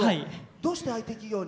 どうしてＩＴ企業に？